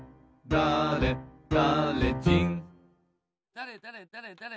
だれだれだれだれ